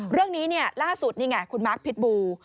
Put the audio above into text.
เรื่องนี้ล่าสุดนี่ไงคุณมาร์คพิษบู